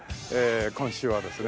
今週はですね